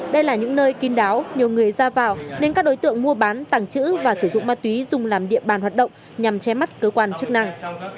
đây là những nơi kinh đáo nhiều người ra vào nên các đối tượng mua bán tặng chữ và sử dụng ma túy dùng làm điện bàn hoạt động nhằm che mắt cơ quan chức năng